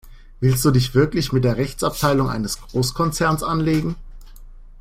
Willst du dich wirklich mit der Rechtsabteilung eines Großkonzerns anlegen?